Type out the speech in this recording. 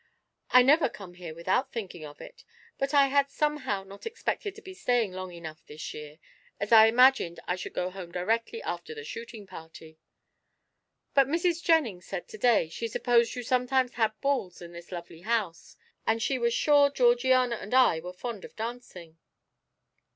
"I never come here without thinking of it, but I had somehow not expected to be staying long enough this year, as I imagined I should go home directly after the shooting party. But Mrs. Jennings said to day she supposed you sometimes had balls in this lovely house, and she was sure Georgiana and I were fond of dancing."